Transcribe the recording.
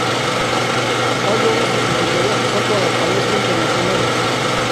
Tal obra significaría su salto a la palestra internacional.